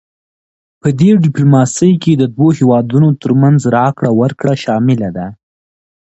پدې ډیپلوماسي کې د دوه هیوادونو ترمنځ راکړه ورکړه شامله ده